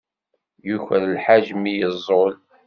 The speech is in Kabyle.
Yuker lḥaǧ mi yeẓẓul.